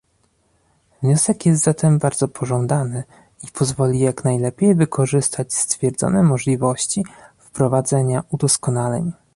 Wniosek jest zatem bardzo pożądany i pozwoli jak najlepiej wykorzystać stwierdzone możliwości wprowadzenia udoskonaleń